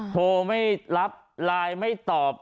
โทรไม่รับไลน์ไม่ตอบ